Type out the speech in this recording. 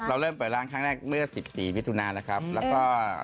เราเริ่มเปิดร้านแรกเมื่อวัน๑๐วันสันธุมนาที